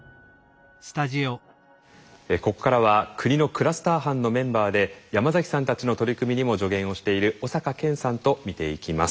ここからは国のクラスター班のメンバーで山崎さんたちの取り組みにも助言をしている小坂健さんと見ていきます。